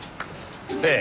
ええ。